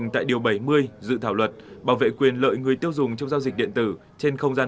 tại điều bảy mươi dự thảo luật bảo vệ quyền lợi người tiêu dùng trong giao dịch điện tử trên không gian